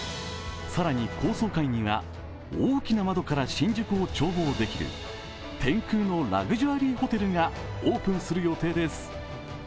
更に高層階には大きな窓から新宿を眺望できる天空のラグジュアリーホテルがオープンする予定です。